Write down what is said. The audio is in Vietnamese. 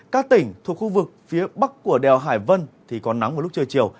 các tỉnh thuộc khu vực phía bắc của đèo hải vân thì có nắng vào lúc trưa chiều